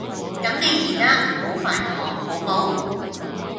咁你依家唔好煩我好冇